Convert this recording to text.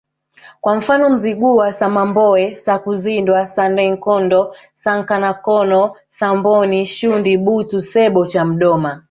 kwa mfano Mzigua Samamboe Sakuzindwa Sannenkondo Sankanakono Samboni Shundi Butu Sebbo Chamdoma